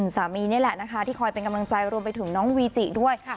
นี่แหละนะคะที่คอยเป็นกำลังใจรวมไปถึงน้องวีจิด้วย